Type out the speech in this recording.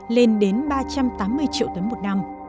lên đến ba trăm tám mươi triệu tấn một năm